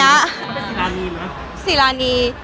เป็นสิรานีหรือ